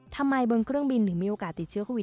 บนเครื่องบินถึงมีโอกาสติดเชื้อโควิด